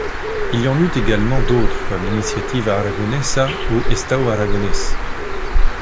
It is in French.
Il y en eut également d'autres comme Iniciativa Aragonesa ou Estau Aragonés.